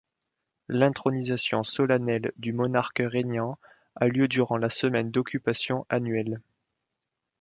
L'intronisation solennelle du monarque régnant a lieu durant la semaine d'occupation annuelle.